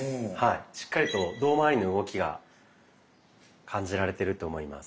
しっかりと胴まわりの動きが感じられてると思います。